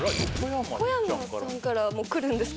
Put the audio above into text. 横山さんからもくる？